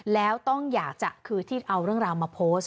แล้วต้องอยากจะคือที่เอาเรื่องราวมาโพสต์